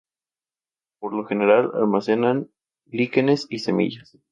Por lo general almacenan líquenes y semillas.